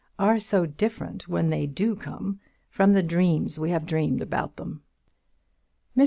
are so different when they do come from the dreams we have dreamed about them. Mr.